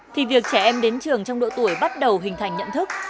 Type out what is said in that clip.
thì việc trẻ em đến trường trong độ tuổi bắt đầu hình thành nhận thức